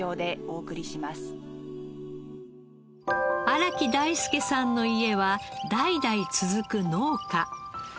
荒木大輔さんの家は代々続く農家。